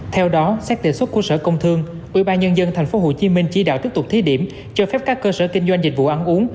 theo đó xét tỉa xuất của sở công thương ủy ban nhân dân tp hcm chỉ đạo tiếp tục thí điểm cho phép các cơ sở kinh doanh dịch vụ ăn uống